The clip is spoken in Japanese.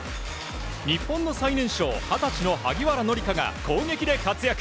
日本の最年少、二十歳の萩原紀佳が攻撃で活躍。